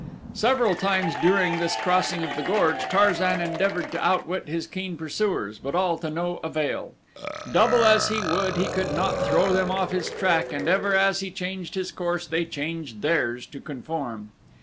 Several times during this crossing of the gorge Tarzan endeavored to outwit his keen pursuers, but all to no avail. Double as he would he could not throw them off his track and ever as he changed his course they changed theirs to conform.